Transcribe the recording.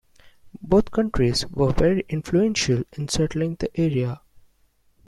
Both countries were very influential in settling the area.